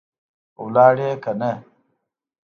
ولاړې که نه؟